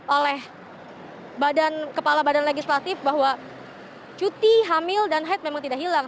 oleh kepala badan legislatif bahwa cuti hamil dan haid memang tidak hilang